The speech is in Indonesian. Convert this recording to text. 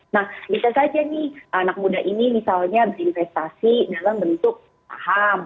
nah bisa saja nih anak muda ini misalnya berinvestasi dalam bentuk saham